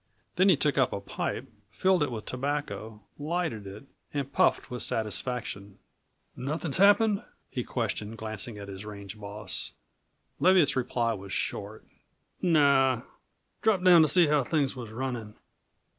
Then he took up a pipe, filled it with tobacco, lighted it, and puffed with satisfaction. "Nothin's happened?" he questioned, glancing at his range boss. Leviatt's reply was short. "No. Dropped down to see how things was runnin'."